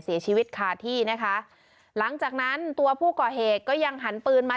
เสียชีวิตคาที่นะคะหลังจากนั้นตัวผู้ก่อเหตุก็ยังหันปืนมา